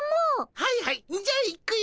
はいはいじゃあいくよ。